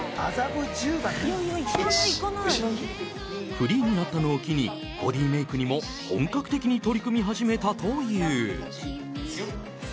フリーになったのを機にボディーメイクにも本格的に取り組み始めたという。